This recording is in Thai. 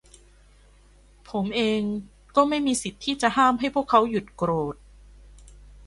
ผมเองก็ไม่มีสิทธิ์ที่จะห้ามให้พวกเขาหยุดโกรธ